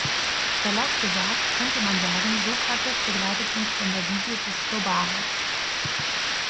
Salopp gesagt könnte man sagen, Sokrates begleitet uns von der Wiege bis zur Bahre.